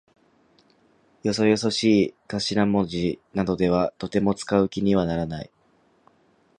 よそよそしい頭文字などはとても使う気にならない。